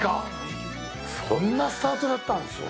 そんなスタートだったんですね。